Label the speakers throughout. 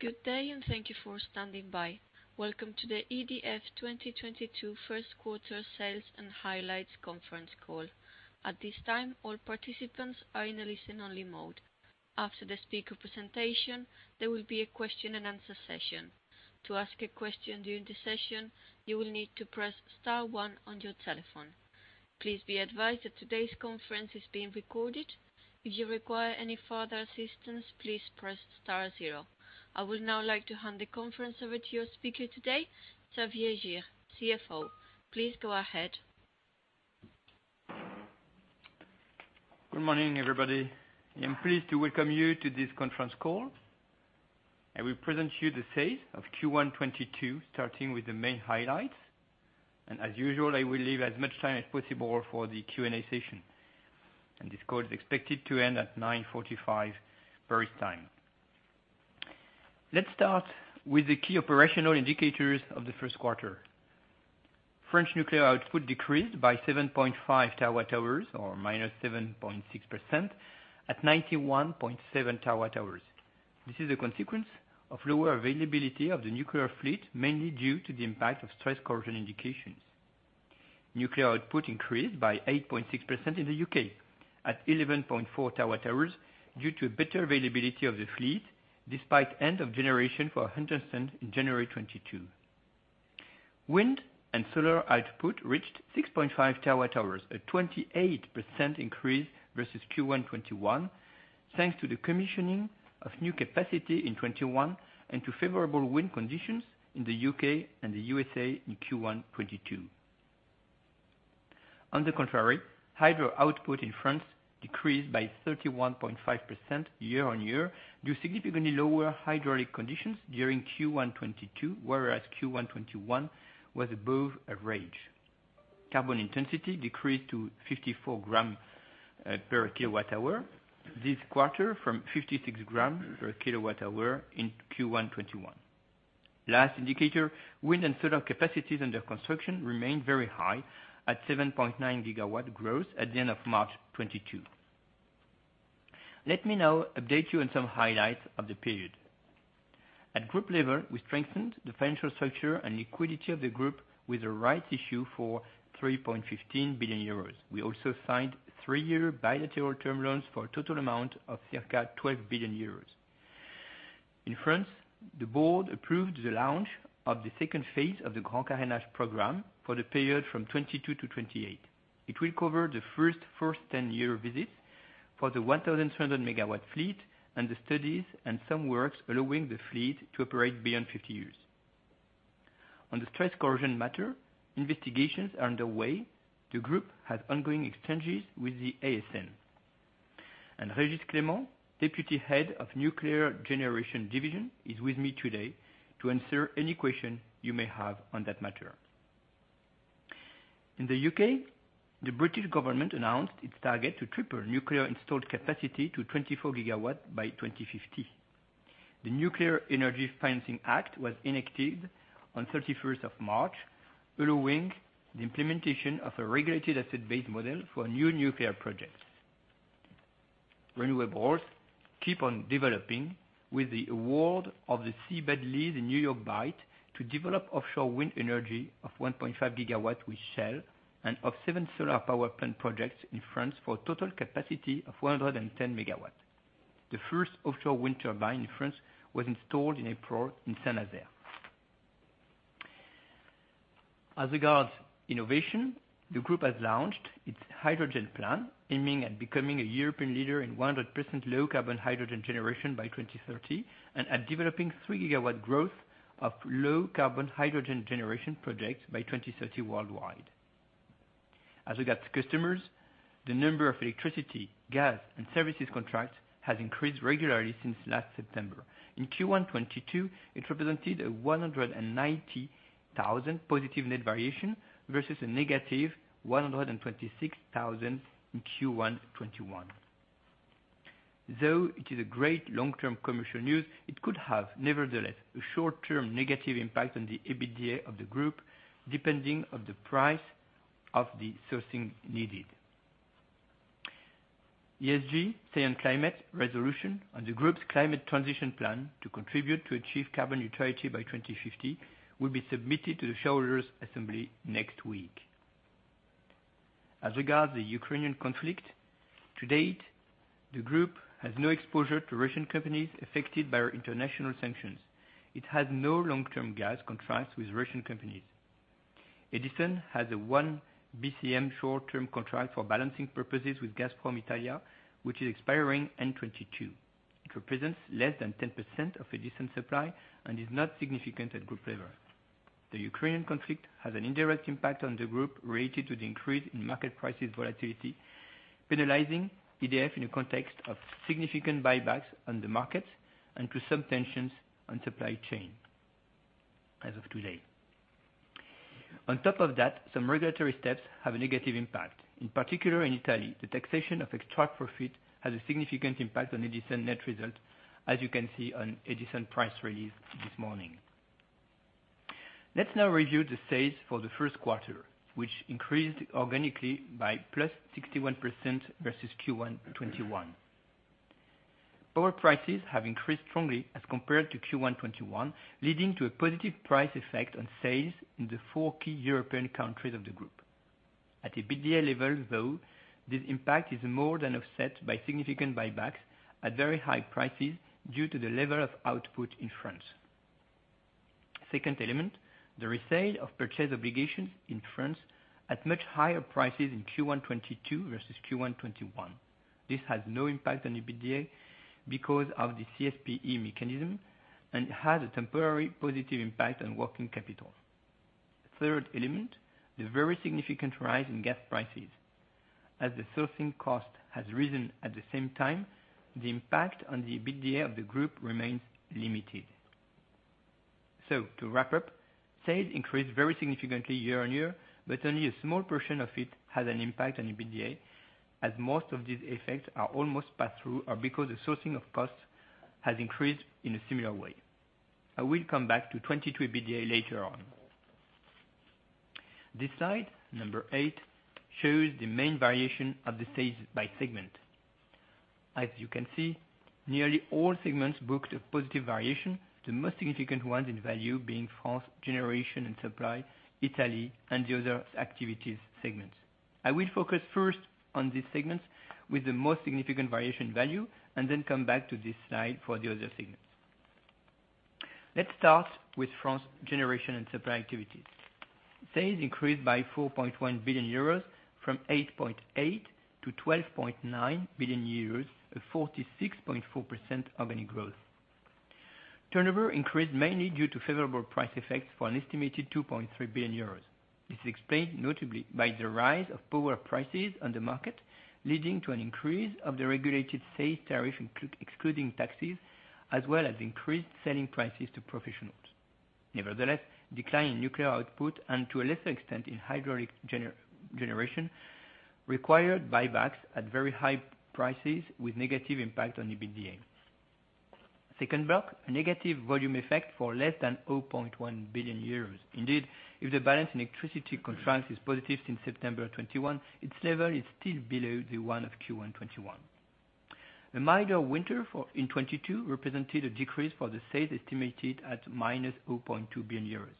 Speaker 1: Good day, and thank you for standing by. Welcome to the EDF 2022 first quarter sales and highlights conference call. At this time, all participants are in a listen only mode. After the speaker presentation, there will be a question and answer session. To ask a question during the session, you will need to press star one on your telephone. Please be advised that today's conference is being recorded. If you require any further assistance, please press star zero. I would now like to hand the conference over to your speaker today, Xavier Girre, CFO. Please go ahead.
Speaker 2: Good morning, everybody. I'm pleased to welcome you to this conference call. I will present you the sales of Q1 2022, starting with the main highlights. As usual, I will leave as much time as possible for the Q&A session. This call is expected to end at 9:45 A.M. Paris time. Let's start with the key operational indicators of the first quarter. French nuclear output decreased by 7.5 TWh or -7.6% at 91.7 TWh. This is a consequence of lower availability of the nuclear fleet, mainly due to the impact of stress corrosion indications. Nuclear output increased by 8.6% in the U.K. at 11.4 TWh due to better availability of the fleet despite end of generation for Hunterston in January 2022. Wind and solar output reached 6.5 TWh, a 28% increase versus Q1 2021 thanks to the commissioning of new capacity in 2021 and to favorable wind conditions in the UK and the USA in Q1 2022. On the contrary, hydro output in France decreased by 31.5% year-on-year due to significantly lower hydraulic conditions during Q1 2022, whereas Q1 2021 was above average. Carbon intensity decreased to 54g CO2/kWh this quarter from 56g CO2/kWh in Q1 2021. Last indicator, wind and solar capacities under construction remained very high at 7.9GW gross the end of March 2022. Let me now update you on some highlights of the period. At Group level we strengthened the financial structure and liquidity of the Group with the rights issue for 3.15 billion euros. We also signed three-year bilateral term loans for a total amount of circa 12 billion euros. In France, the board approved the launch of the second phase of the Grand Carénage program for the period from 2022 to 2028. It will cover the first 10-year visit for the 1,300MW fleet and the studies and some works allowing the fleet to operate beyond 50 years. On the stress corrosion matter, investigations are underway. The Group has ongoing exchanges with the ASN. Régis Clément, Deputy Head of Nuclear Generation Division, is with me today to answer any question you may have on that matter. In the UK, the British government announced its target to triple nuclear installed capacity to 24GW by 2050. The Nuclear Energy Financing Act was enacted on 31st of March, allowing the implementation of a regulated asset-based model for new nuclear projects. Renewables keep on developing with the award of the seabed lease in New York Bight to develop offshore wind energy of 1.5 GW with Shell and of 7 solar power plant projects in France for a total capacity of 410 MW. The first offshore wind turbine in France was installed in April in Saint-Nazaire. As regards innovation, the group has launched its hydrogen plan, aiming at becoming a European leader in 100% low-carbon hydrogen generation by 2030, and at developing 3 GW growth of low carbon hydrogen generation projects by 2030 worldwide. As regards customers, the number of electricity, gas, and services contracts has increased regularly since last September. In Q1 2022, it represented a 190,000 positive net variation versus a -126,000 in Q1 2021. Though it is a great long-term commercial news, it could have, nevertheless, a short-term negative impact on the EBITDA of the Group, depending on the price of the sourcing needed. ESG vote on climate resolution, and the Group's climate transition plan to contribute to achieve carbon neutrality by 2050 will be submitted to the shareholders' assembly next week. As regards the Ukrainian conflict, to date, the group has no exposure to Russian companies affected by international sanctions. It has no long-term gas contracts with Russian companies. Edison has a 1 Bcm short-term contract for balancing purposes with Gazprom Italia, which is expiring end-2022. It represents less than 10% of Edison supply and is not significant at group level. The Ukrainian conflict has an indirect impact on the group related to the increase in market prices volatility, penalizing EDF in a context of significant buybacks on the market and to some tensions on supply chain, as of today. On top of that, some regulatory steps have a negative impact. In particular, in Italy, the taxation of extra profit has a significant impact on Edison net result, as you can see on Edison press release this morning. Let's now review the sales for the first quarter, which increased organically by +61% versus Q1 2021. Our prices have increased strongly as compared to Q1 2021, leading to a positive price effect on sales in the four key European countries of the group. At an EBITDA level, though, this impact is more than offset by significant buybacks at very high prices due to the level of output in France. Second element: the resale of purchase obligations in France at much higher prices in Q1 2022 versus Q1 2021. This has no impact on EBITDA because of the CSPE mechanism and has a temporary positive impact on working capital. Third element: the very significant rise in gas prices. As the sourcing cost has risen at the same time, the impact on the EBITDA of the group remains limited. To wrap up, sales increased very significantly year-on-year, but only a small portion of it has an impact on EBITDA, as most of these effects are almost passed through or because the sourcing of costs has increased in a similar way. I will come back to 2022 EBITDA later on. This slide, number eight, shows the main variation of the sales by segment. As you can see, nearly all segments booked a positive variation, the most significant ones in value being France generation and supply, Italy, and the other activities segments. I will focus first on these segments with the most significant variation value and then come back to this slide for the other segments. Let's start with France generation and supply activities. Sales increased by 4.1 billion euros from 8.8 billion to 12.9 billion euros, a 46.4% organic growth. Turnover increased mainly due to favorable price effects for an estimated 2.3 billion euros. This is explained notably by the rise of power prices on the market, leading to an increase of the regulated sales tariff i.e. excluding taxes, as well as increased selling prices to professionals. Nevertheless, decline in nuclear output, and to a lesser extent in hydraulic generation, required buybacks at very high prices with negative impact on EBITDA. Second block, a negative volume effect for less than 0.1 billion euros. Indeed, if the balance in electricity contracts is positive since September 2021, its level is still below the one of Q1 2021. A milder winter in 2022 represented a decrease for the sales estimated at -0.2 billion euros.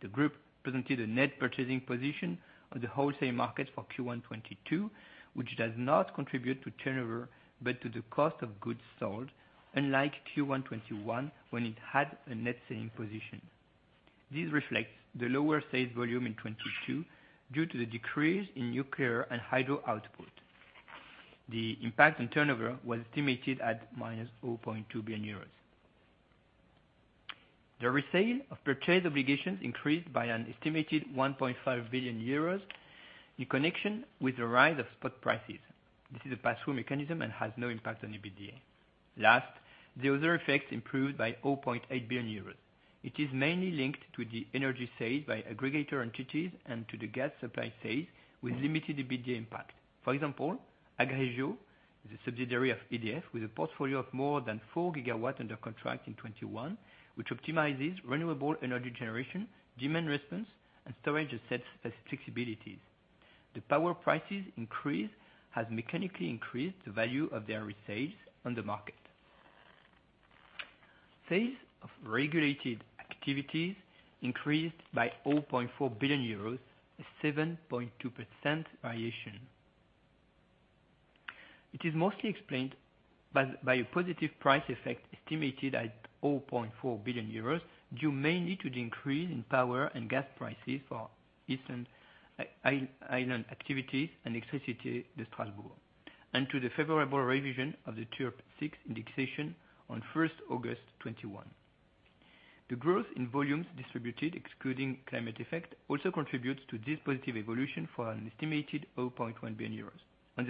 Speaker 2: The group presented a net purchasing position on the wholesale market for Q1 2022, which does not contribute to turnover, but to the cost of goods sold, unlike Q1 2021, when it had a net selling position. This reflects the lower sales volume in 2022 due to the decrease in nuclear and Hydro output. The impact on turnover was estimated at -0.2 billion euros. The resale of purchase obligations increased by an estimated 1.5 billion euros in connection with the rise of spot prices. This is a pass-through mechanism and has no impact on EBITDA. Last, the other effects improved by 0.8 billion euros. It is mainly linked to the energy sales by aggregator entities and to the gas supply sales with limited EBITDA impact. For example, Agregio is a subsidiary of EDF with a portfolio of more than 4 GW under contract in 2021, which optimizes renewable energy generation, demand response, and storage assets as flexibilities. The power prices increase has mechanically increased the value of their resales on the market. Sales of regulated activities increased by 0.4 billion euros, a 7.2% variation. It is mostly explained by a positive price effect estimated at 0.4 billion euros, due mainly to the increase in power and gas prices for island activities and Électricité de Strasbourg, and to the favorable revision of the TURPE 6 indexation on 1st August 2021. The growth in volumes distributed, excluding climate effect, also contributes to this positive evolution for an estimated 0.1 billion euros. On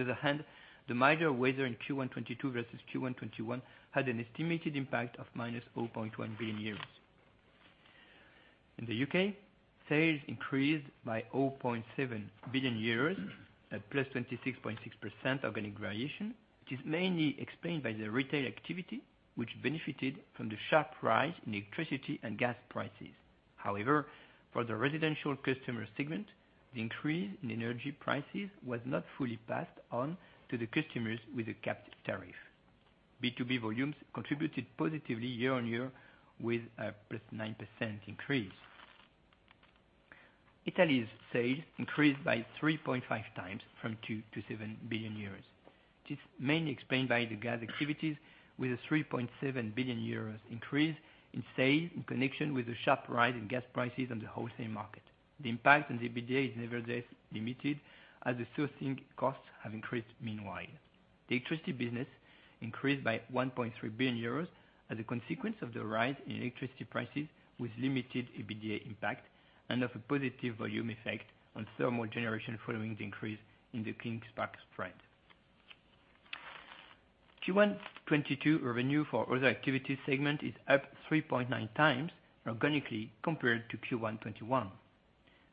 Speaker 2: the other hand, the milder weather in Q1 2022 versus Q1 2021 had an estimated impact of -0.1 billion euros. In the UK, sales increased by 0.7 billion euros at +26.6% organic variation. It is mainly explained by the retail activity, which benefited from the sharp rise in electricity and gas prices. However, for the residential customer segment, the increase in energy prices was not fully passed on to the customers with a capped tariff. B2B volumes contributed positively year-on-year with a +9% increase. Italy's sales increased by 3.5 times, from 2 billion to 7 billion. It is mainly explained by the gas activities with a 3.7 billion euros increase in sales in connection with the sharp rise in gas prices on the wholesale market. The impact on EBITDA is nevertheless limited as the sourcing costs have increased meanwhile. The electricity business increased by 1.3 billion euros as a consequence of the rise in electricity prices with limited EBITDA impact and of a positive volume effect on thermal generation following the increase in the clean spark spread. Q1 2022 revenue for other activities segment is up 3.9x organically compared to Q1 2021.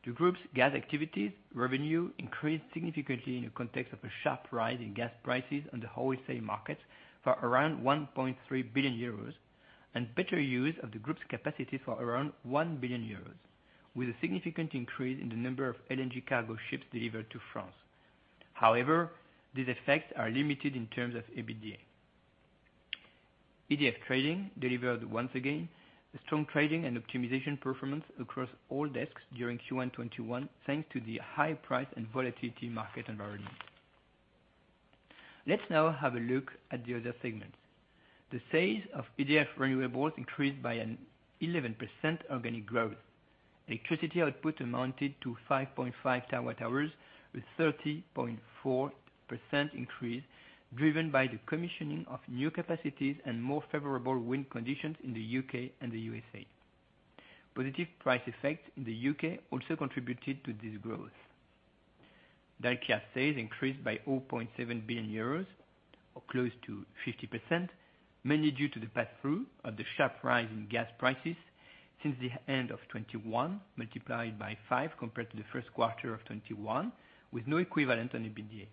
Speaker 2: The group's gas activities revenue increased significantly in the context of a sharp rise in gas prices on the wholesale market for around 1.3 billion euros and better use of the group's capacity for around 1 billion euros, with a significant increase in the number of LNG cargo ships delivered to France. However, these effects are limited in terms of EBITDA. EDF Trading delivered once again a strong trading and optimization performance across all desks during Q1 2021, thanks to the high price and volatility market environment. Let's now have a look at the other segments. The sales of EDF Renewables increased by an 11% organic growth. Electricity output amounted to 5.5 TWh, with 30.4% increase, driven by the commissioning of new capacities and more favorable wind conditions in the U.K. and the USA. Positive price effects in the U.K. also contributed to this growth. Dalkia sales increased by 0.7 billion euros, or close to 50%, mainly due to the pass-through of the sharp rise in gas prices since the end of 2021, multiplied by 5 compared to the first quarter of 2021, with no equivalent on EBITDA.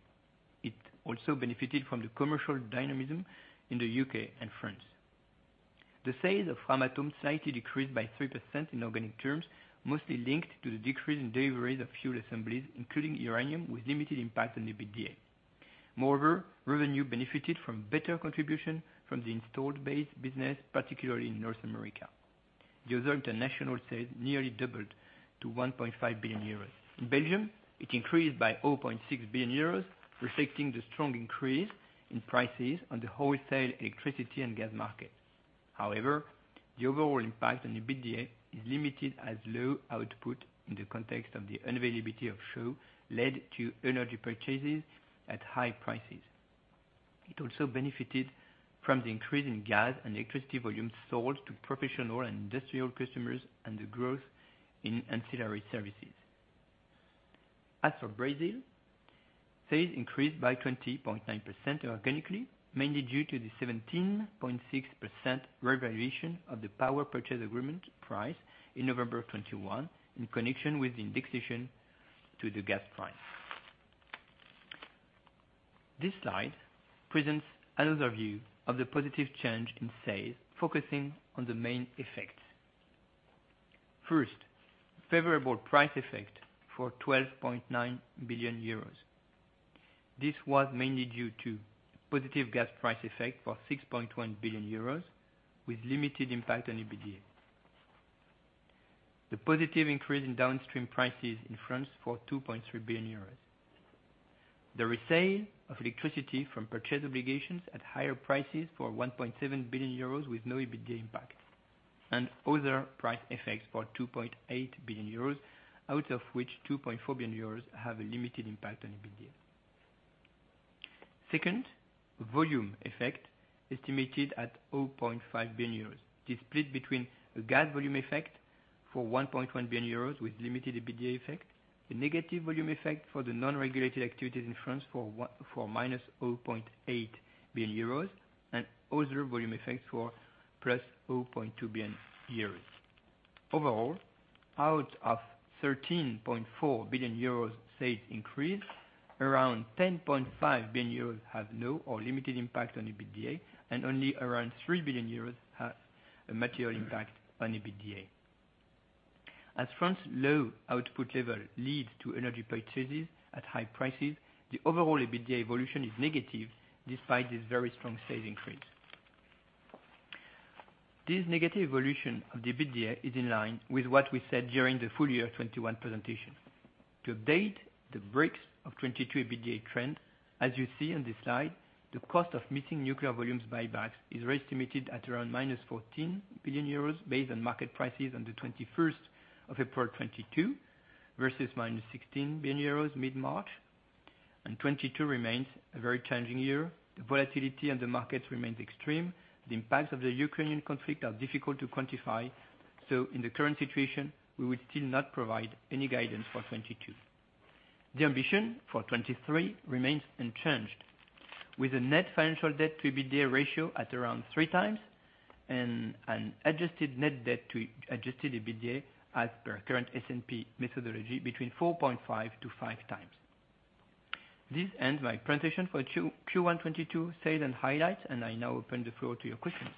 Speaker 2: It also benefited from the commercial dynamism in the U.K. and France. The sales of Framatome slightly decreased by 3% in organic terms, mostly linked to the decrease in deliveries of fuel assemblies, including uranium, with limited impact on EBITDA. Moreover, revenue benefited from better contribution from the installed base business, particularly in North America. The other international sales nearly doubled to 1.5 billion euros. In Belgium, it increased by 0.6 billion euros, reflecting the strong increase in prices on the wholesale electricity and gas markets. However, the overall impact on EBITDA is limited as low output in the context of the unavailability of Chooz led to energy purchases at high prices. It also benefited from the increase in gas and electricity volumes sold to professional and industrial customers and the growth in ancillary services. As for Brazil, sales increased by 20.9% organically, mainly due to the 17.6% revaluation of the power purchase agreement price in November of 2021 in connection with the indexation to the gas price. This slide presents another view of the positive change in sales, focusing on the main effects. First, favorable price effect for 12.9 billion euros. This was mainly due to positive gas price effect for 6.1 billion euros, with limited impact on EBITDA. The positive increase in downstream prices in France for 2.3 billion euros. The resale of electricity from purchase obligations at higher prices for 1.7 billion euros, with no EBITDA impact, and other price effects for 2.8 billion euros, out of which 2.4 billion euros have a limited impact on EBITDA. Second, volume effect estimated at 0.5 billion euros. It is split between a gas volume effect for 1.1 billion euros, with limited EBITDA effect, a negative volume effect for the non-regulated activities in France for minus 0.8 billion euros, and other volume effects for plus 0.2 billion euros. Overall, out of 13.4 billion euros sales increase, around 10.5 billion euros have no or limited impact on EBITDA, and only around 3 billion euros has a material impact on EBITDA. As France low output level leads to energy purchases at high prices, the overall EBITDA evolution is negative despite this very strong sales increase. This negative evolution of the EBITDA is in line with what we said during the full year 2021 presentation. To update the breaks of 2022 EBITDA trend, as you see on this slide, the cost of meeting nuclear volumes buybacks is re-estimated at around minus 14 billion euros based on market prices on the 21st of April 2022, versus minus 16 billion euros mid-March. 2022 remains a very challenging year. The volatility in the markets remains extreme. The impacts of the Ukrainian conflict are difficult to quantify. In the current situation, we will still not provide any guidance for 2022. The ambition for 2023 remains unchanged, with a net financial debt to EBITDA ratio at around 3x and an adjusted net debt to adjusted EBITDA as per current S&P methodology between 4.5-5 times. This ends my presentation for Q1 2022 sales and highlights, and I now open the floor to your questions.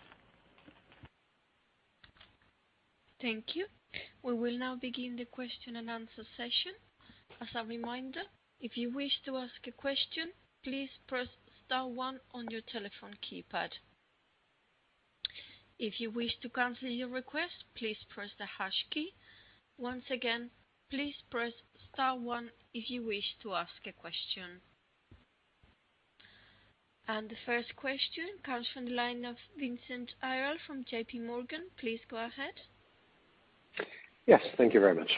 Speaker 1: Thank you. We will now begin the question and answer session. As a reminder, if you wish to ask a question, please press star one on your telephone keypad. If you wish to cancel your request, please press the hash key. Once again, please press star one if you wish to ask a question. The first question comes from the line of Vincent Ayral from JPMorgan. Please go ahead.
Speaker 3: Yes. Thank you very much.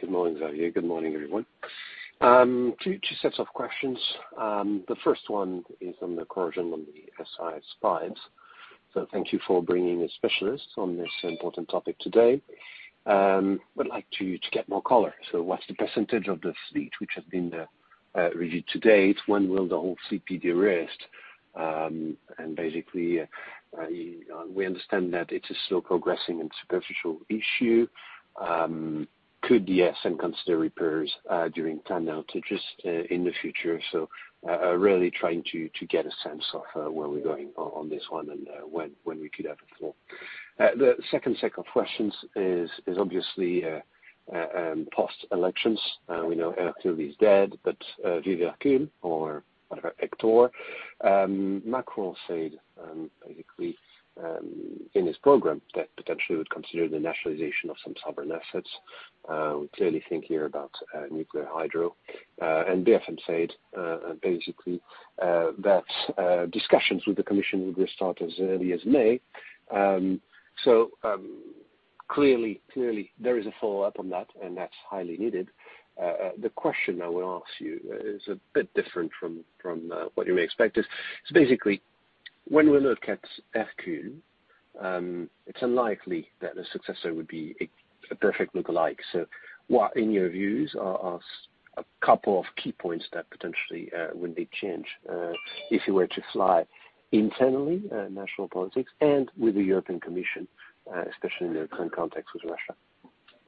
Speaker 3: Good morning, Xavier. Good morning, everyone. Two sets of questions. The first one is on the corrosion on the SI slides. Thank you for bringing a specialist on this important topic today. Would like to get more color. What's the percentage of the fleet which has been reviewed to date, when will the whole CPD rest? And basically, we understand that it is still progressing and superficial issue. Could the SM consider repairs during time now to just in the future? Really trying to get a sense of where we're going on this one and when we could have it all. The second set of questions is obviously post-elections. We know Hercule is dead, but vive Hercule or whatever, Hector. Macron said, I think in his program that potentially would consider the nationalization of some sovereign assets. We clearly think here about nuclear, hydro. Bercy said basically that discussions with the commission will restart as early as May. Clearly there is a follow-up on that, and that's highly needed. The question I will ask you is a bit different from what you may expect, so basically, when we look at Hercule, it's unlikely that a successor would be a perfect look-alike. What in your views are a couple of key points that potentially would be changed if he were to slide internally, national politics and with the European Commission, especially in the current context with Russia?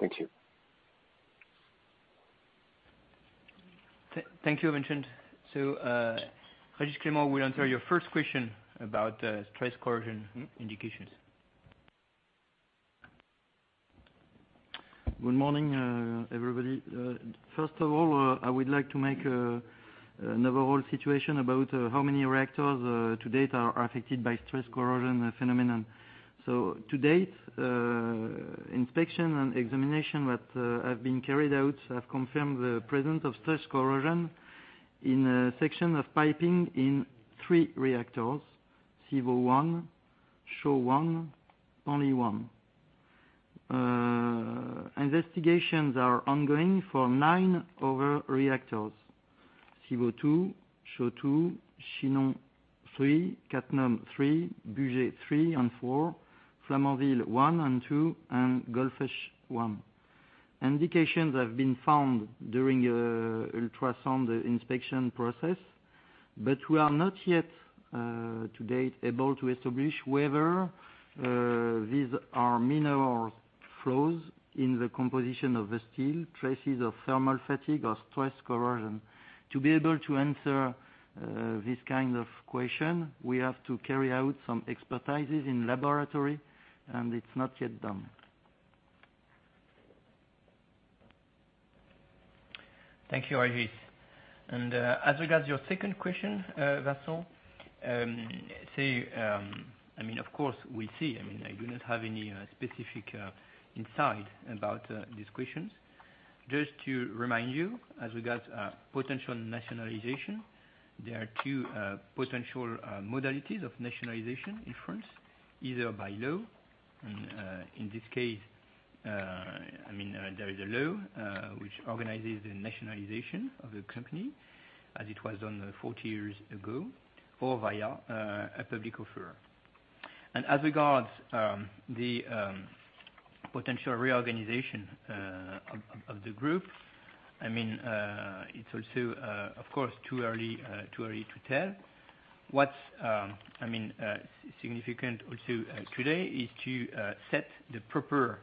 Speaker 3: Thank you.
Speaker 2: Thank you, Vincent. Régis Clément will answer your first question about stress corrosion indications.
Speaker 4: Good morning, everybody. First of all, I would like to make an overall situation about how many reactors to date are affected by stress corrosion phenomenon. To date, inspection and examination that have been carried out have confirmed the presence of stress corrosion in a section of piping in three reactors, Civaux 1, Chooz B1, only 1. Investigations are ongoing for 9 other reactors. Civaux 2, Chooz B2, Chinon 3, Cattenom 3, Bugey 3 and 4, Flamanville 1 and 2, and Golfech 1. Indications have been found during ultrasonic inspection process. We are not yet to date able to establish whether these are mineral flaws in the composition of the steel, traces of thermal fatigue or stress corrosion. To be able to answer this kind of question, we have to carry out some expertise in laboratory, and it's not yet done.
Speaker 2: Thank you, Régis. As regards your second question, Vincent, I mean, of course, we see. I mean, I do not have any specific insight about these questions. Just to remind you, as regards potential nationalization, there are two potential modalities of nationalization in France, either by law, in this case, I mean, there is a law which organizes the nationalization of the company as it was done 40 years ago, or via a public offer. As regards the potential reorganization of the group, I mean, it's also, of course, too early to tell. I mean, significant also today is to set the proper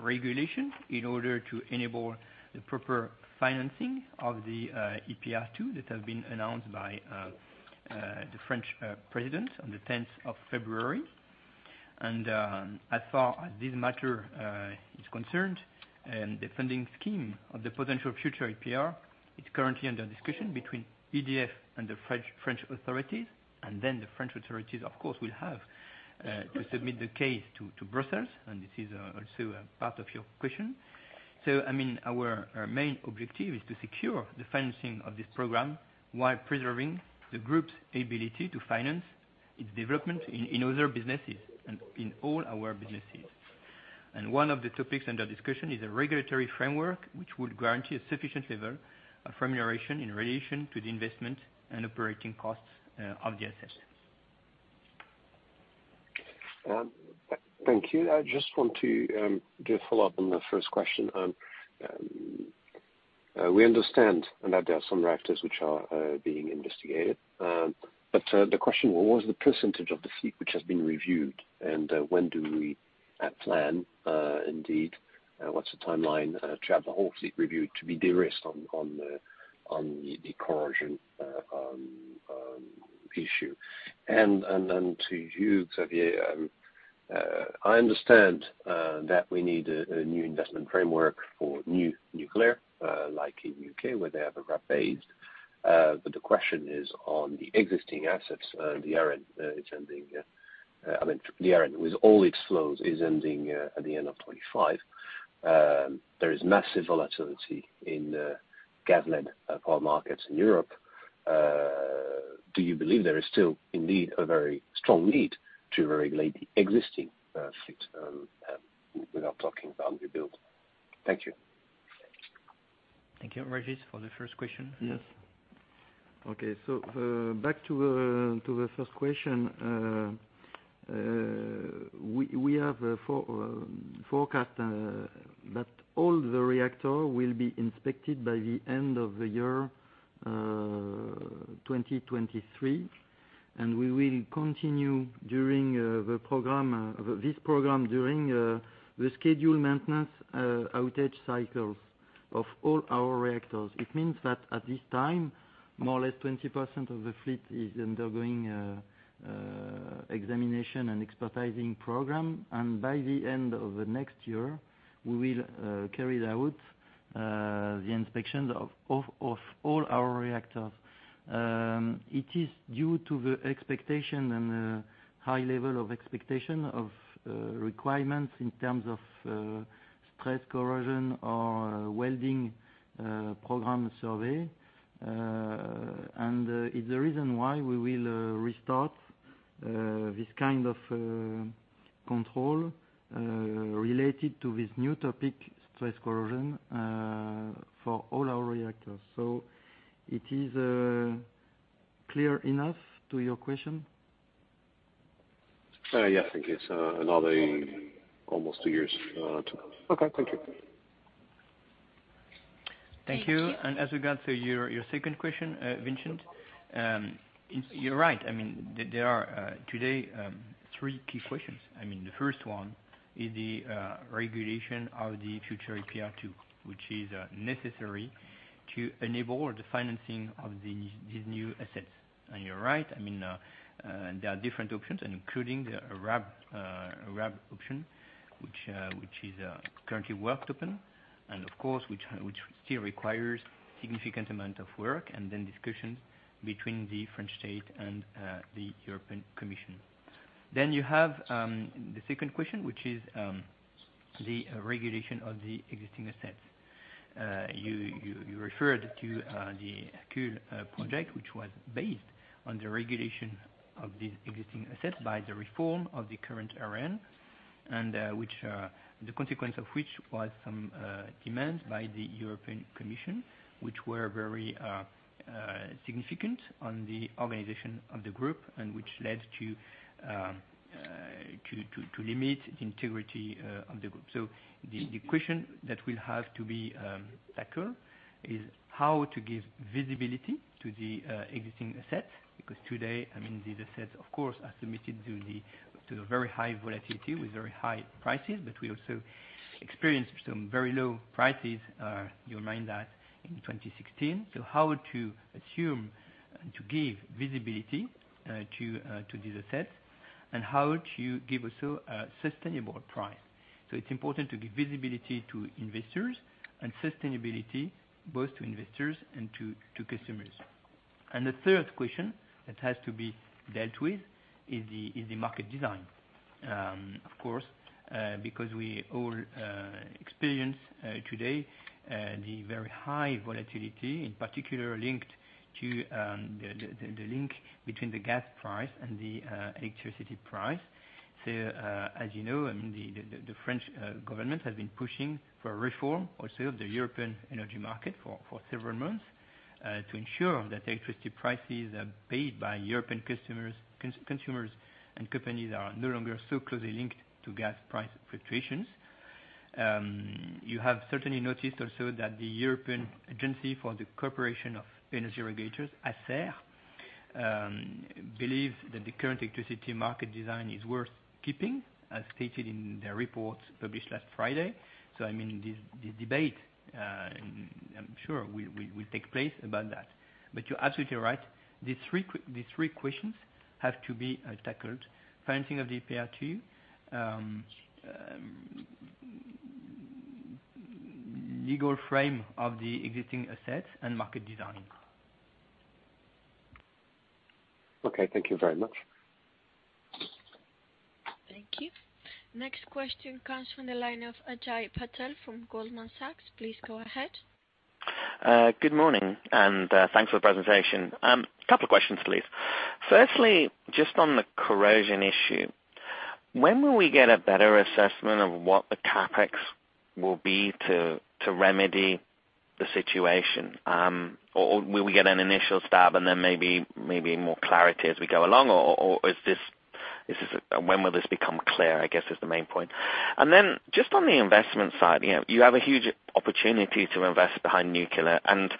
Speaker 2: regulation in order to enable the proper financing of the EPR-2 that have been announced by the French president on the tenth of February. As far as this matter is concerned and the funding scheme of the potential future EPR, it's currently under discussion between EDF and the French authorities. The French authorities, of course, will have to submit the case to Brussels. This is also a part of your question. I mean, our main objective is to secure the financing of this program while preserving the group's ability to finance its development in other businesses and in all our businesses. One of the topics under discussion is a regulatory framework, which would guarantee a sufficient level of remuneration in relation to the investment and operating costs of the assets.
Speaker 3: Thank you. I just want to do a follow-up on the first question. We understand that there are some reactors which are being investigated. The question: what was the percentage of the fleet which has been reviewed? When do we plan, indeed, what's the timeline to have the whole fleet reviewed to be de-risked on the corrosion issue? To you, Xavier, I understand that we need a new investment framework for new nuclear, like in U.K., where they have a RAB. The question is on the existing assets, the ARENH, it's ending, I mean, the ARENH with all its flows is ending at the end of 2025. There is massive volatility in government power markets in Europe. Do you believe there is still indeed a very strong need to regulate the existing fleet without talking about rebuild? Thank you.
Speaker 2: Thank you, Régis, for the first question.
Speaker 4: Yes.
Speaker 2: Okay. Back to the first question, we have a forecast that all the reactor will be inspected by the end of the year 2023, and we will continue during the program, this program during the scheduled maintenance outage cycles of all our reactors. It means that at this time, more or less 20% of the fleet is undergoing examination and expertising program. By the end of the next year, we will carry out the inspections of all our reactors. It is due to the expectation and the high level of expectation of requirements in terms of stress corrosion or welding program survey. It's the reason why we will restart this kind of control related to this new topic, stress corrosion, for all our reactors. It is clear enough to your question?
Speaker 3: Yeah. I think it's another almost two years to come. Okay. Thank you.
Speaker 2: Thank you. As we get to your second question, Vincent, it's. You're right. I mean, there are today three key questions. I mean, the first one is the regulation of the future EPR-2, which is necessary to enable the financing of these new assets. You're right, I mean, there are different options, including the RAB option, which is currently worked upon, and of course, which still requires significant amount of work, and then discussions between the French state and the European Commission. You have the second question, which is the regulation of the existing assets. You referred to the Hercule project, which was based on the regulation of the existing assets by the reform of the current ARENH, and the consequence of which was some demand by the European Commission, which were very significant on the organization of the group and which led to limit the integrity of the group. The question that will have to be tackled is how to give visibility to the existing asset, because today, I mean, the assets of course are subject to the very high volatility with very high prices. We also experienced some very low prices, you'll recall that, in 2016. How to ensure to give visibility to these assets, and how to give also a sustainable price. It's important to give visibility to investors and sustainability, both to investors and to customers. The third question that has to be dealt with is the market design. Of course, because we all experience today the very high volatility, in particular linked to the link between the gas price and the electricity price. As you know, I mean, the French government has been pushing for reform also of the European energy market for several months to ensure that electricity prices are paid by European customers, consumers and companies are no longer so closely linked to gas price fluctuations. You have certainly noticed also that the European Union Agency for the Cooperation of Energy Regulators, ACER, believe that the current electricity market design is worth keeping, as stated in their report published last Friday. I mean, this debate, I'm sure will take place about that. You're absolutely right. The three questions have to be tackled. Financing of the EPR-2, legal framework of the existing assets, and market design.
Speaker 3: Okay. Thank you very much.
Speaker 1: Thank you. Next question comes from the line of Ajay Patel from Goldman Sachs. Please go ahead.
Speaker 5: Good morning and thanks for the presentation. A couple of questions, please. Firstly, just on the corrosion issue, when will we get a better assessment of what the CapEx will be to remedy the situation? Or will we get an initial stab and then maybe more clarity as we go along? When will this become clear, I guess is the main point. Then just on the investment side, you know, you have a huge opportunity to invest behind nuclear, and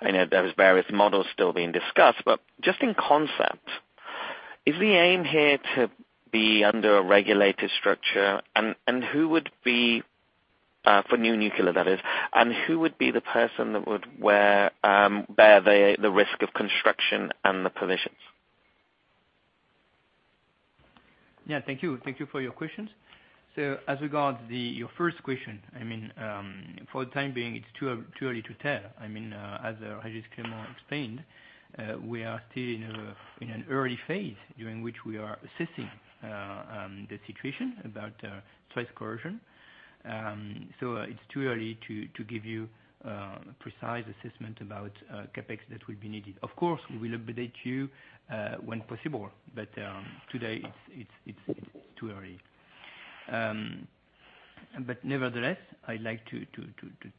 Speaker 5: I know there's various models still being discussed. But just in concept, is the aim here to be under a regulated structure? And who would be, for new nuclear that is, and who would be the person that would bear the risk of construction and the provisions?
Speaker 2: Yeah. Thank you. Thank you for your questions. As regard your first question, I mean, for the time being, it's too early to tell. I mean, as Régis Clément explained, we are still in an early phase during which we are assessing the situation about stress corrosion. It's too early to give you precise assessment about CapEx that will be needed. Of course, we will update you when possible, but today it's too early. Nevertheless, I'd like to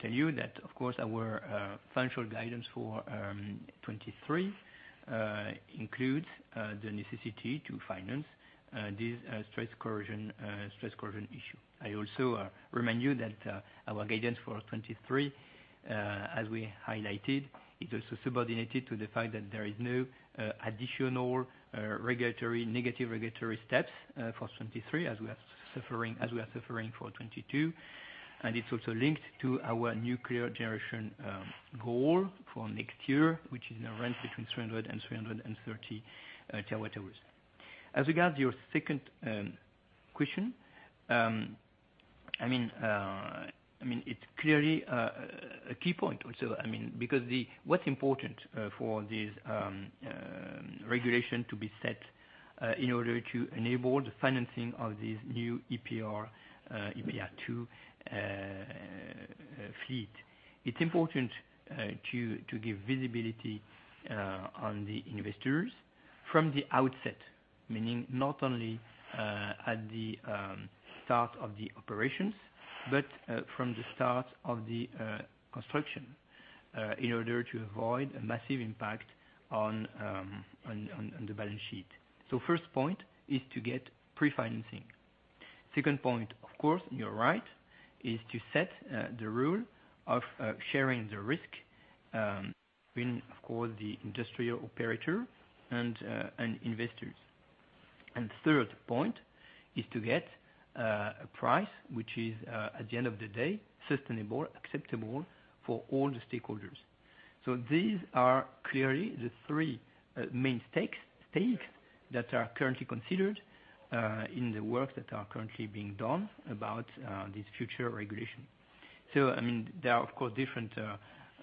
Speaker 2: tell you that of course our financial guidance for 2023 includes the necessity to finance this stress corrosion issue. I also remind you that our guidance for 2023 as we highlighted is also subordinated to the fact that there is no additional regulatory negative regulatory steps for 2023 as we are suffering for 2022. It's also linked to our nuclear generation goal for next year, which is in a range between 300TWh and 330TWh hours. As regards your second question, I mean, it's clearly a key point also. I mean, because what's important for this regulation to be set in order to enable the financing of this new EPR-2 fleet. It's important to give visibility to the investors from the outset, meaning not only at the start of the operations, but from the start of the construction in order to avoid a massive impact on the balance sheet. First point is to get pre-financing. Second point, of course, you're right, is to set the rule of sharing the risk between, of course, the industrial operator and investors. Third point is to get a price which is, at the end of the day, sustainable, acceptable for all the stakeholders. These are clearly the three main stakes that are currently considered in the work that are currently being done about this future regulation. I mean, there are, of course, different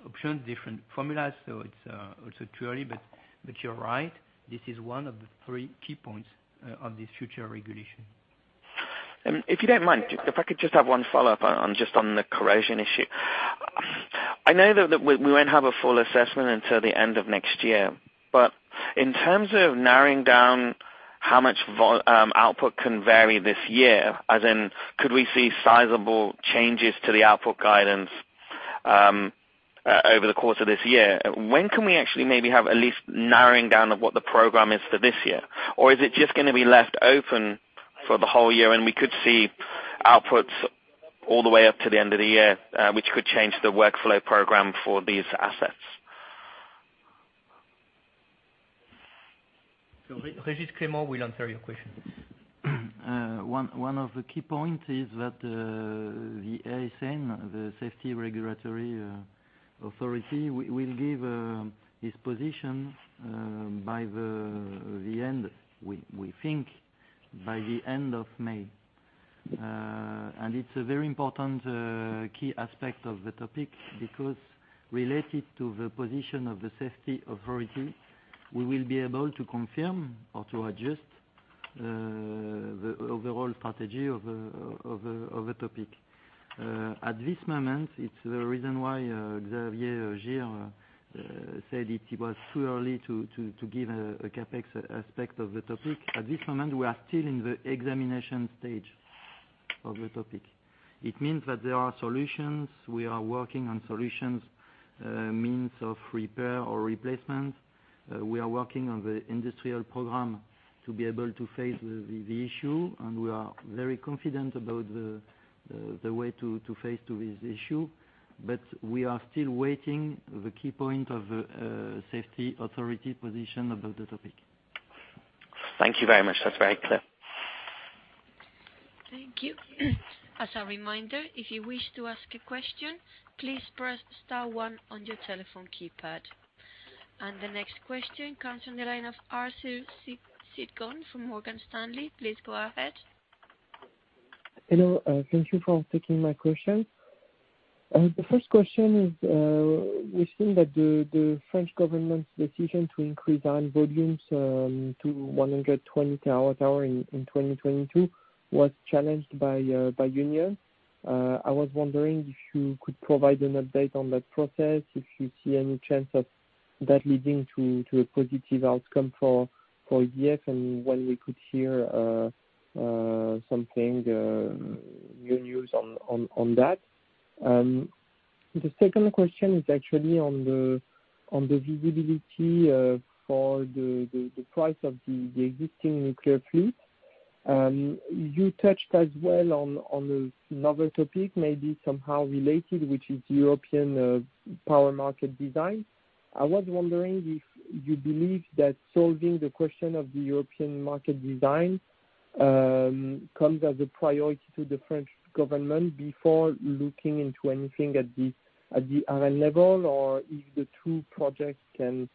Speaker 2: options, different formulas. It's also clearly, but you're right, this is one of the three key points of this future regulation.
Speaker 5: If you don't mind, if I could just have one follow-up on just on the corrosion issue. I know that we won't have a full assessment until the end of next year. In terms of narrowing down how much output can vary this year, as in could we see sizable changes to the output guidance over the course of this year? When can we actually maybe have at least narrowing down of what the program is for this year? Or is it just gonna be left open for the whole year, and we could see outputs all the way up to the end of the year, which could change the workload program for these assets?
Speaker 2: Régis Clément will answer your question.
Speaker 4: One of the key points is that the ASN, the safety regulatory authority, will give its position by the end we think by the end of May. It's a very important key aspect of the topic because related to the position of the safety authority, we will be able to confirm or to adjust the overall strategy of the topic. At this moment, it's the reason why Xavier Girre said it was too early to give a CapEx aspect of the topic. At this moment, we are still in the examination stage of the topic. It means that there are solutions. We are working on solutions, means of repair or replacement. We are working on the industrial program to be able to face the issue, and we are very confident about the way to face this issue. We are still waiting the key point of the safety authority position about the topic.
Speaker 5: Thank you very much. That's very clear.
Speaker 1: Thank you. As a reminder, if you wish to ask a question, please press star one on your telephone keypad. The next question comes from the line of Arthur Sitbon from Morgan Stanley. Please go ahead.
Speaker 6: Hello. Thank you for taking my question. The first question is, we've seen that the French government's decision to increase our volumes to 100TWh hour in 2022 was challenged by union. I was wondering if you could provide an update on that process, if you see any chance of that leading to a positive outcome for EDF and when we could hear something new news on that. The second question is actually on the visibility for the price of the existing nuclear fleet. You touched as well on a novel topic, maybe somehow related, which is European power market design. I was wondering if you believe that solving the question of the European market design comes as a priority to the French government before looking into anything at the ARENH level, or if the two projects can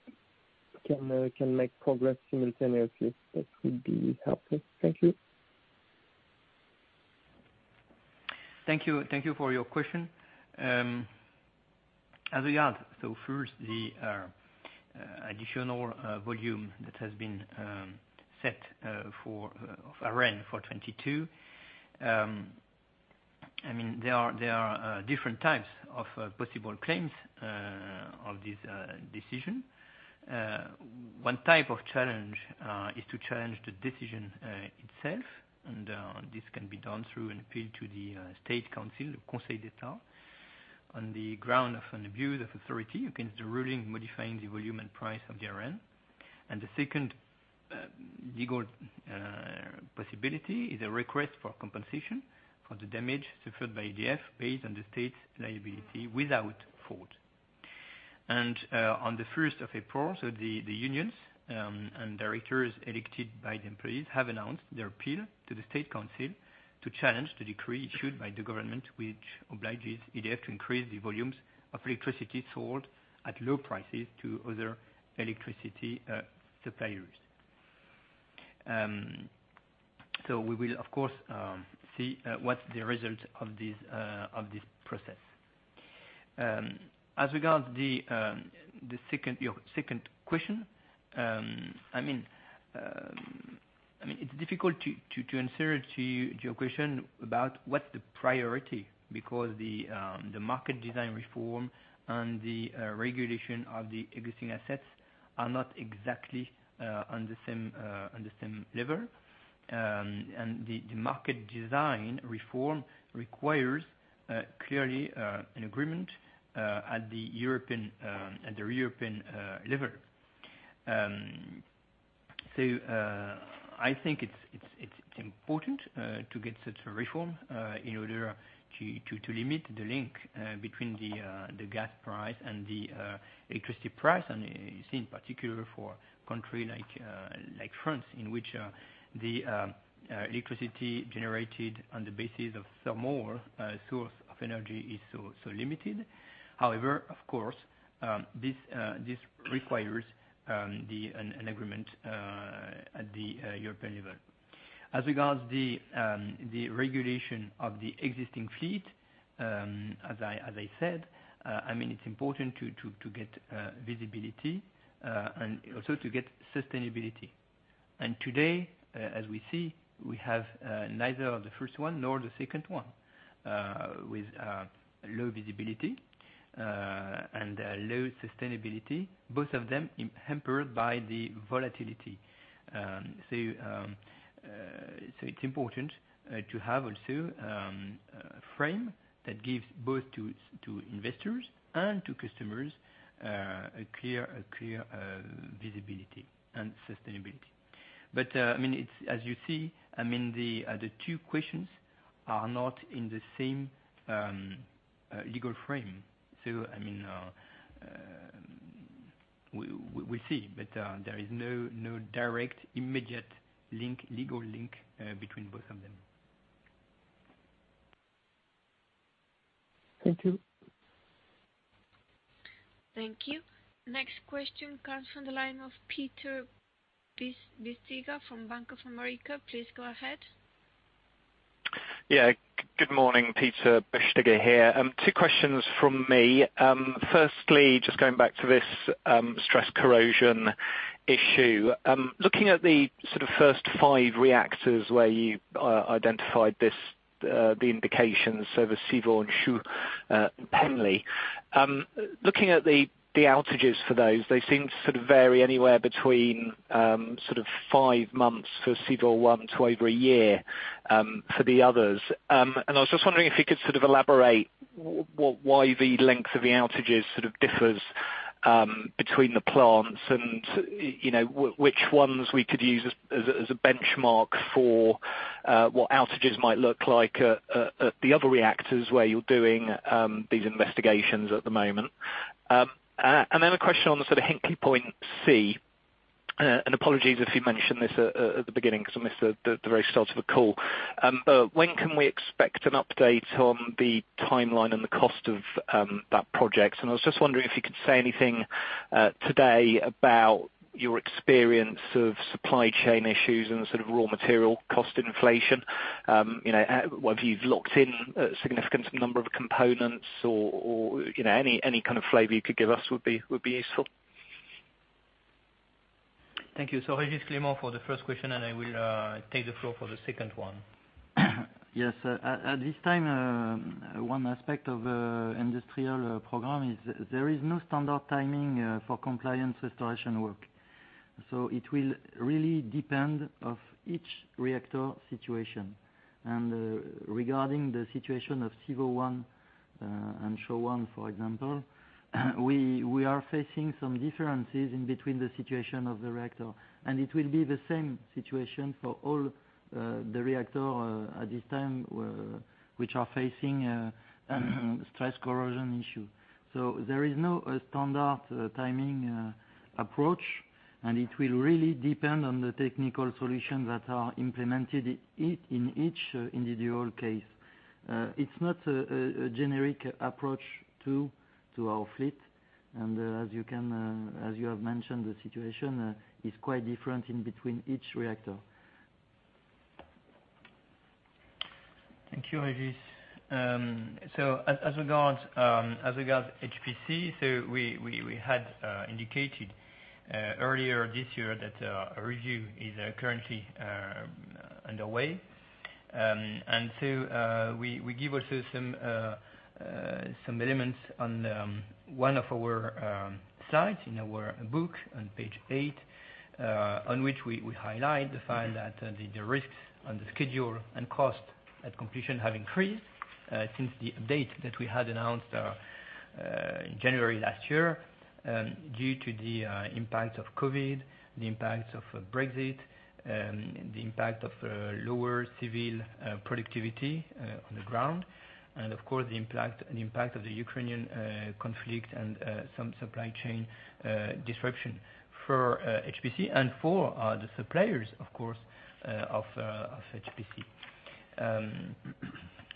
Speaker 6: make progress simultaneously. That would be helpful. Thank you.
Speaker 2: Thank you. Thank you for your question. As I said, first the additional volume that has been set for ARENH for 2022, I mean, there are different types of possible claims of this decision. One type of challenge is to challenge the decision itself, and this can be done through an appeal to the state council, the Conseil d'État, on the ground of an abuse of authority against the ruling modifying the volume and price of the ARENH. The second legal possibility is a request for compensation for the damage suffered by EDF based on the state's liability without fault. On the first of April, the unions and directors elected by the employees have announced their appeal to the Conseil d'État' to challenge the decree issued by the government, which obliges EDF to increase the volumes of electricity sold at low prices to other electricity suppliers. We will of course see what's the result of this process. As regards your second question, I mean, it's difficult to answer it to you, to your question about what's the priority because the market design reform and the regulation of the existing assets are not exactly on the same level. The market design reform requires clearly an agreement at the European level. I think it's important to get such a reform in order to limit the link between the gas price and the electricity price, and especially in particular for country like France, in which the electricity generated on the basis of thermal source of energy is so limited. However, of course, this requires an agreement at the European level. As regards the regulation of the existing fleet, as I said, I mean, it's important to get visibility and also to get sustainability. Today, as we see, we have neither of the first one nor the second one with low visibility and low sustainability, both of them impaired by the volatility. It's important to have also a frame that gives both to investors and to customers a clear visibility and sustainability. I mean, it's, as you see, I mean, the two questions are not in the same legal frame. We'll see. There is no direct immediate legal link between both of them.
Speaker 6: Thank you.
Speaker 1: Thank you. Next question comes from the line of Peter Bisztyga from Bank of America. Please go ahead.
Speaker 7: Yeah. Good morning, Peter Bisztyga here. Two questions from me. Firstly, just going back to this stress corrosion issue. Looking at the sort of first five reactors where you identified this, the indications, so the Civaux and Chooz, Penly. Looking at the outages for those, they seem to sort of vary anywhere between sort of 5 months for Civaux 1 to over a year for the others. I was just wondering if you could sort of elaborate why the length of the outages sort of differs between the plants and, you know, which ones we could use as a benchmark for what outages might look like at the other reactors where you're doing these investigations at the moment. A question on the sort of Hinkley Point C. Apologies if you mentioned this at the beginning, 'cause I missed the very start of the call. When can we expect an update on the timeline and the cost of that project? I was just wondering if you could say anything today about your experience of supply chain issues and the sort of raw material cost inflation. You know, whether you've locked in a significant number of components or you know, any kind of flavor you could give us would be useful.
Speaker 2: Thank you. Régis Clément for the first question, and I will take the floor for the second one.
Speaker 4: Yes. At this time, one aspect of industrial program is there is no standard timing for compliance restoration work. It will really depend on each reactor situation. Regarding the situation of Civaux 1 and Chooz 1, for example, we are facing some differences in between the situation of the reactor. It will be the same situation for all the reactor at this time which are facing stress corrosion issue. There is no standard timing approach, and it will really depend on the technical solutions that are implemented in each individual case. It's not a generic approach to our fleet. As you have mentioned, the situation is quite different in between each reactor.
Speaker 2: Thank you, Régis. As regards HPC, we had indicated earlier this year that a review is currently underway. We give also some elements on one of our sites in our book on page eight, on which we highlight the fact that the risks on the schedule and cost at completion have increased since the update that we had announced in January last year. Due to the impact of COVID, the impact of Brexit, the impact of lower civil productivity on the ground, and of course the impact of the Ukrainian conflict and some supply chain disruption for HPC and for the suppliers of course of HPC.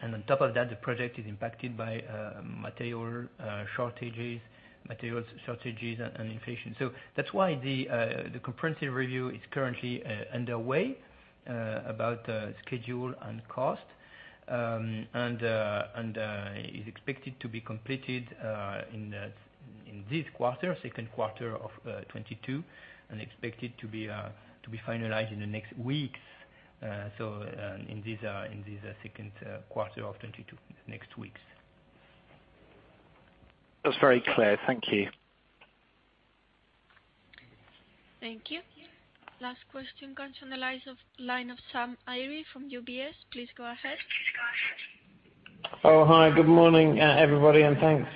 Speaker 2: On top of that, the project is impacted by material shortages and inflation. That's why the comprehensive review is currently underway about schedule and cost, and is expected to be completed in this second quarter of 2022, and expected to be finalized in the next weeks, so in this second quarter of 2022.
Speaker 7: That's very clear. Thank you.
Speaker 1: Thank you. Last question comes from the line of Sam Arie from UBS. Please go ahead.
Speaker 8: Oh, hi, good morning, everybody, and thanks,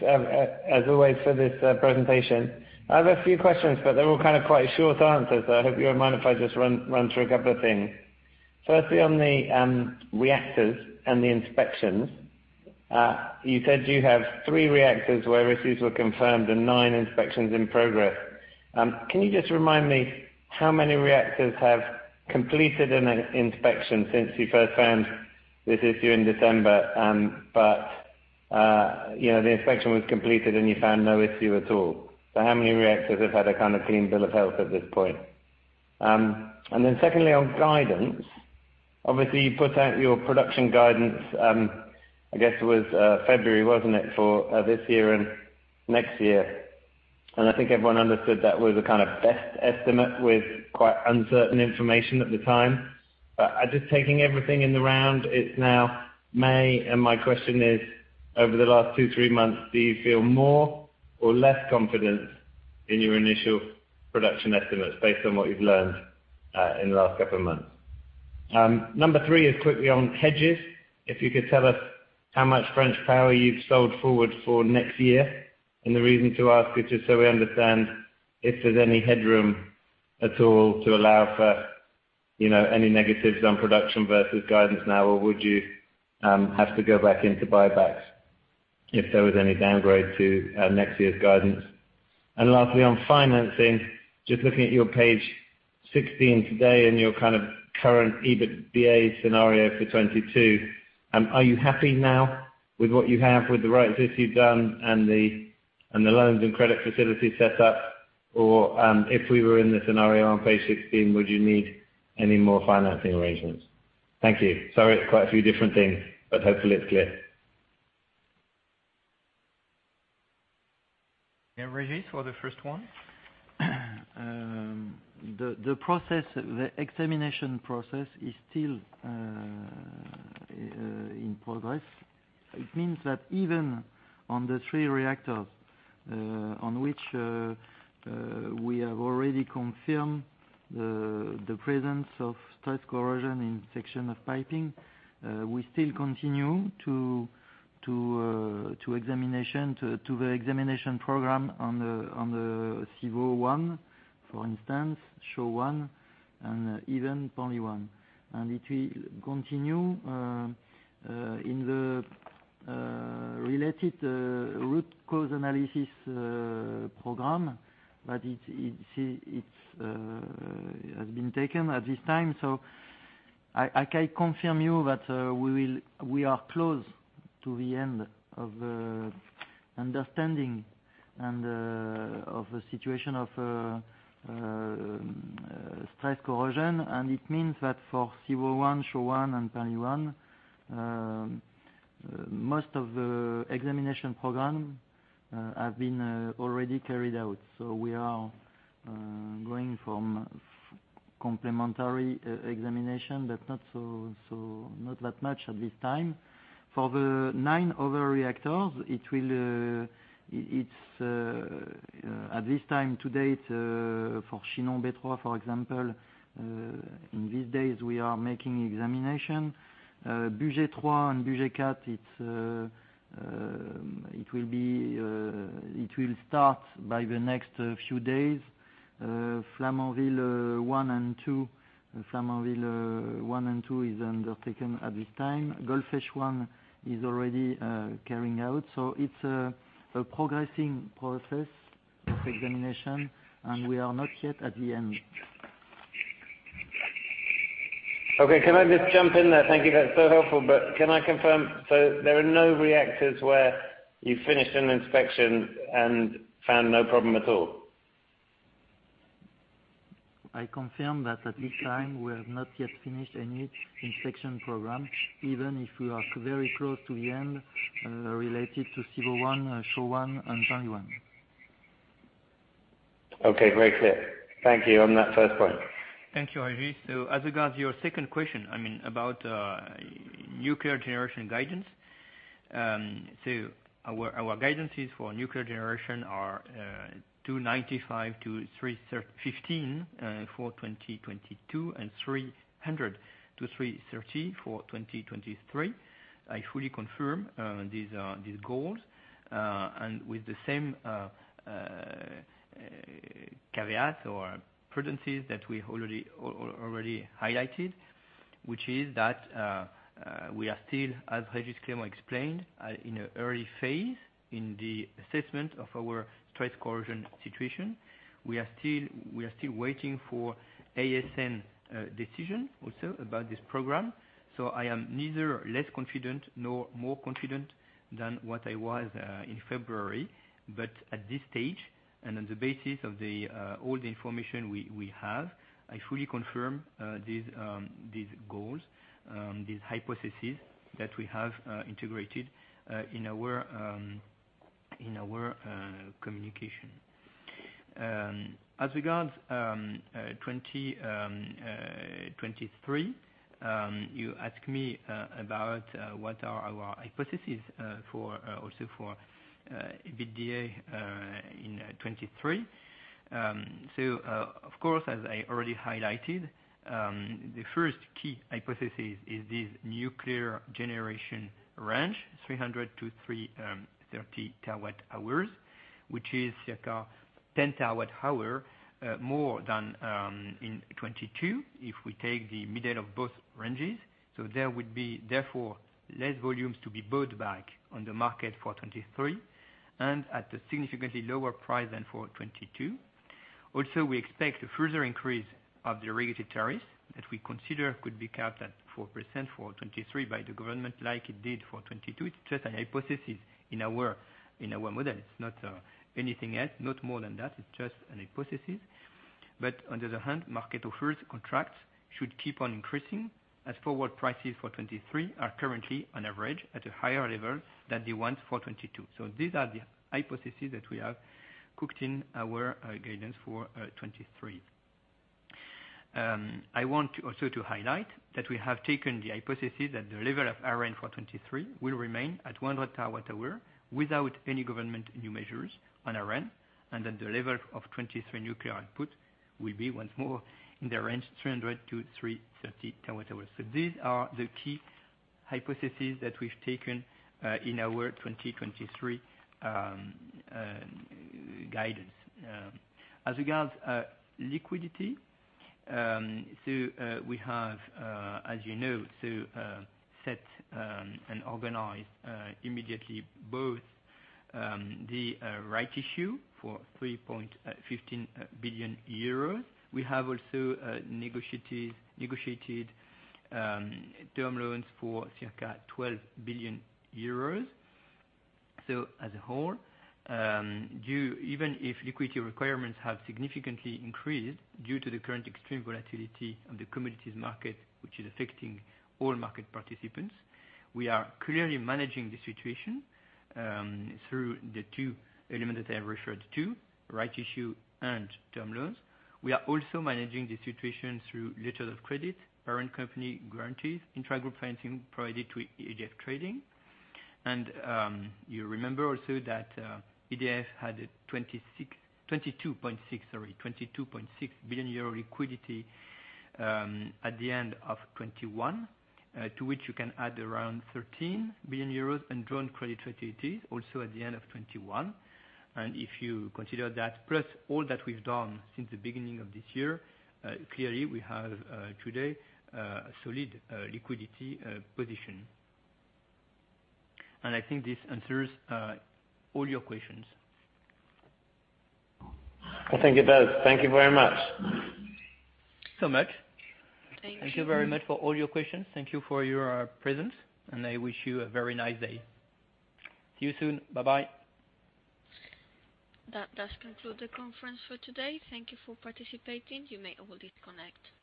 Speaker 8: as always for this presentation. I have a few questions, but they're all kind of quite short answers, so I hope you don't mind if I just run through a couple of things. Firstly, on the reactors and the inspections, you said you have three reactors where issues were confirmed and 9 inspections in progress. Can you just remind me how many reactors have completed an inspection since you first found this issue in December? You know, the inspection was completed, and you found no issue at all. How many reactors have had a kind of clean bill of health at this point? Secondly, on guidance, obviously you put out your production guidance, I guess it was February, wasn't it, for this year and next year. I think everyone understood that was a kind of best estimate with quite uncertain information at the time. Just taking everything in the round, it's now May, and my question is, over the last two, three months, do you feel more or less confident in your initial production estimates based on what you've learned in the last couple of months? Number three is quickly on hedges. If you could tell us how much French power you've sold forward for next year. The reason to ask is just so we understand if there's any headroom at all to allow for, you know, any negatives on production versus guidance now, or would you have to go back into buybacks if there was any downgrade to next year's guidance? Lastly, on financing, just looking at your page 16 today and your kind of current EBITDA scenario for 2022, are you happy now with what you have with the rights issue done and the loans and credit facility set up, or if we were in the scenario on page 16, would you need any more financing arrangements? Thank you. Sorry, it's quite a few different things, but hopefully it's clear.
Speaker 2: Yeah. Régis, for the first one.
Speaker 4: The examination process is still in progress. It means that even on the three reactors on which we have already confirmed the presence of stress corrosion in section of piping, we still continue to the examination program on the Civaux 1, for instance, Chooz, and even Paluel. It will continue in the related root cause analysis program, but it has been taken at this time, so I can confirm you that we are close to the end of understanding and of the situation of stress corrosion, and it means that for Civaux 1, Chooz, and Paluel, most of the examination program have been already carried out. We are going from complementary re-examination, but not that much at this time. For the nine other reactors, it will, it's, at this time to date, for Chinon B3, for example, in these days, we are making examination. Bugey 3 and Bugey 4, it's, it will be, it will start by the next few days. Flamanville 1 and 2, Flamanville 1 and 2 is undertaken at this time. Golfech 1 is already carrying out. It's a progressing process of examination, and we are not yet at the end.
Speaker 8: Okay. Can I just jump in there? Thank you. That's so helpful. Can I confirm, so there are no reactors where you finished an inspection and found no problem at all?
Speaker 4: I confirm that at this time, we have not yet finished any inspection program, even if we are very close to the end, related to Civaux 1, Chooz, and Paluel.
Speaker 8: Okay, very clear. Thank you on that first point.
Speaker 2: Thank you, Sam Arie. As regards your second question, I mean about nuclear generation guidance. Our guidances for nuclear generation are 295-315 for 2022 and 300-330 for 2023. I fully confirm these goals and with the same caveat or prudencies that we already already highlighted, which is that we are still, as Régis Clément explained, in the early phase in the assessment of our stress corrosion situation. We are still waiting for ASN decision also about this program. I am neither less confident nor more confident than what I was in February. At this stage, and on the basis of all the information we have, I fully confirm these goals, these hypotheses that we have integrated in our communication. As regards 2023, you ask me about what are our hypotheses for also for EBITDA in 2023. Of course, as I already highlighted, the first key hypothesis is this nuclear generation range, 300-330 TWh, which is circa 10 TWh more than in 2022, if we take the middle of both ranges. There would be therefore less volumes to be bought back on the market for 2023 and at a significantly lower price than for 2022. We expect a further increase of the regulated tariffs that we consider could be capped at 4% for 2023 by the government like it did for 2022. It's just a hypothesis in our model. It's not anything else, not more than that. It's just an hypothesis. On the other hand, market offers contracts should keep on increasing as forward prices for 2023 are currently on average at a higher level than the ones for 2022. These are the hypotheses that we have cooked in our guidance for 2023. I want also to highlight that we have taken the hypothesis that the level of ARENH for 2023 will remain at 100 TWh without any government new measures on ARENH, and that the level of 2023 nuclear output will be once more in the range 300-330 TWh. These are the key hypotheses that we've taken in our 2023 guidance. As regards liquidity, we have, as you know, set and organized immediately both the rights issue for 3.15 billion euros. We have also negotiated term loans for circa 12 billion euros. As a whole, even if liquidity requirements have significantly increased due to the current extreme volatility of the commodities market, which is affecting all market participants, we are clearly managing the situation through the two elements that I referred to, rights issue and term loans. We are also managing the situation through letters of credit, parent company guarantees, intragroup financing provided to EDF Trading. You remember also that EDF had a 22.6 billion euro liquidity at the end of 2021, to which you can add around 13 billion euros undrawn credit facilities also at the end of 2021. If you consider that, plus all that we've done since the beginning of this year, clearly we have today a solid liquidity position. I think this answers all your questions.
Speaker 8: I think it does. Thank you very much.
Speaker 2: much.
Speaker 1: Thank you.
Speaker 2: Thank you very much for all your questions. Thank you for your presence, and I wish you a very nice day. See you soon. Bye-bye.
Speaker 1: That does conclude the conference for today. Thank you for participating. You may all disconnect.